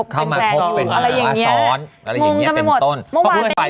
เข้ามาพบเป็นอะไรอย่างเงี้ยสอนอะไรอย่างเงี้ยเป็นต้นเพราะว่าเป็นนิชา